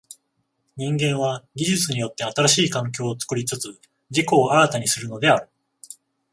人間は技術によって新しい環境を作りつつ自己を新たにするのである。